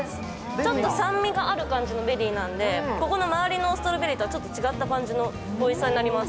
ちょっと酸味がある感じのベリーなんでここの周りのストロベリーとはまたちょっと違ったおいしさになります。